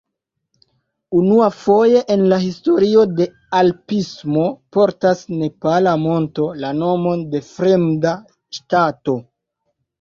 Unuafoje en la historio de alpismo portas nepala monto la nomon de fremda ŝtato.